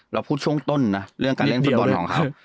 เราพูดช่วงต้นนะเรื่องการเล่นฟุตบอลของเขา